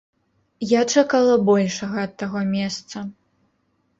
Я чакала большага ад таго месца.